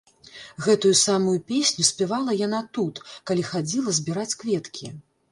Гэтую самую песню спявала яна тут, калі хадзіла збіраць кветкі.